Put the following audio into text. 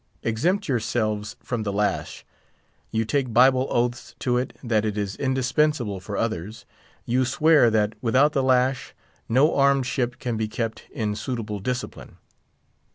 Exempt yourselves from the lash, you take Bible oaths to it that it is indispensable for others; you swear that, without the lash, no armed ship can be kept in suitable discipline.